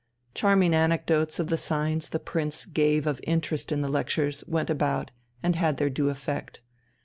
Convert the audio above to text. Charming anecdotes of the signs the Prince gave of interest in the lectures went about and had their due effect.